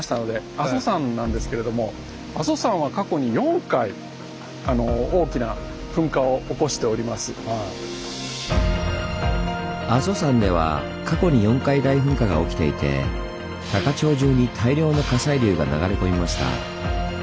阿蘇山なんですけれども阿蘇山では過去に４回大噴火が起きていて高千穂じゅうに大量の火砕流が流れ込みました。